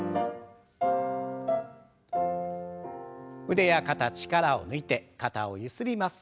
腕や肩力を抜いて肩をゆすります。